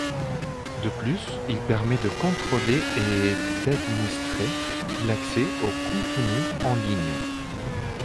De plus, il permet de contrôler et d'administrer l'accès aux contenus en ligne.